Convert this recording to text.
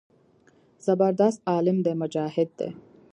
زبردست عالم دى مجاهد دى.